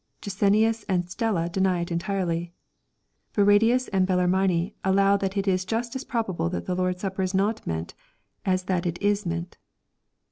Jansenius and Stella deny it entirely. Barradius and Bellarmine allow that it is just as probable that the Lord's Supper is not meant, as that it is meant.